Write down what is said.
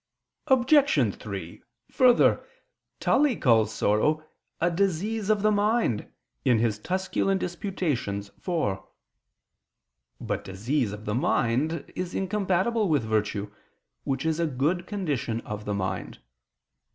Obj. 3: Further, Tully calls sorrow a disease of the mind (De Tusc. Quaest. iv). But disease of the mind is incompatible with virtue, which is a good condition of the mind.